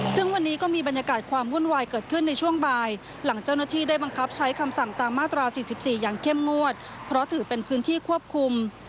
ซึ่งวันนี้ก็มีบรรยากาศความวุ่นวายเกิดขึ้นในช่วงบ่ายหลังเจ้าหน้าที่ได้บังคับใช้คำสั่งตามมาตรา๔๔อย่างเข้มงวดเพราะถือเป็นพื้นที่ควบคุม